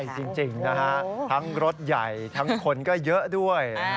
จริงนะฮะทั้งรถใหญ่ทั้งคนก็เยอะด้วย